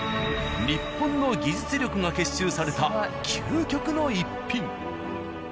日本の技術力が結集された究極の逸品。